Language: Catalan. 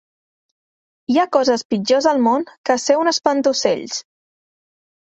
Hi ha coses pitjors al món que ser un espantaocells.